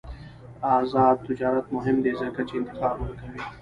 آزاد تجارت مهم دی ځکه چې انتخاب ورکوي.